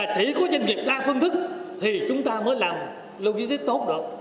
chỉ có dân nghiệp đa phương thức thì chúng ta mới làm lưu ký tốt được